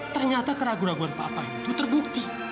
ternyata keraguan keraguan papan itu terbukti